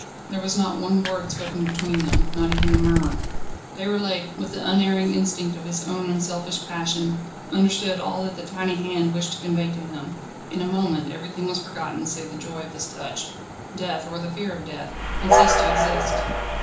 There was not one word spoken between them, not even a murmur. Déroulède, with the unerring instinct of his own unselfish passion, understood all that the tiny hand wished to convey to him. In a moment everything was forgotten save the joy of this touch. Death, or the fear of death, had ceased to exist.